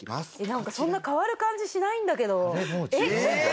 なんかそんな変わる感じしないんだけど。